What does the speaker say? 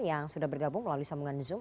yang sudah bergabung melalui sambungan zoom